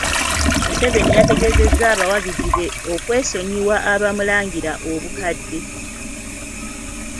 Museveni yategeezezza abawagizi be okwesonyiwa abamulangira obukadde.